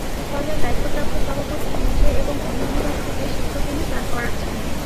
ফলে দায়িত্বপ্রাপ্ত সভাপতি নিজে এবং অন্য বিভাগ থেকে শিক্ষক এনে ক্লাস করাচ্ছেন।